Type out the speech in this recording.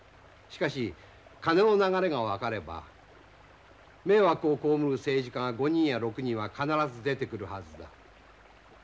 しかし金の流れが分かれば迷惑をこうむる政治家が５人や６人は必ず出てくるはずだ。